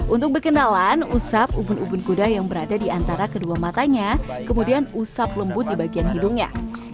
untuk berkenalan usap ubun ubun kuda yang berada di antara kedua matanya kemudian usap lembut di bagian hidungnya